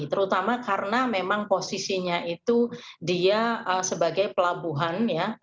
terutama karena memang posisinya itu dia sebagai pelabuhan ya